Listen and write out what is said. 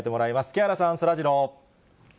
木原さん、そらジロー。